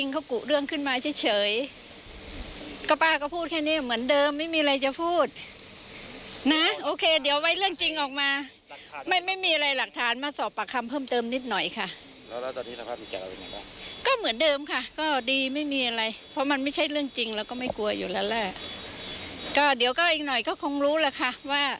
ฟังเสียงป้าติ๋วดูค่ะ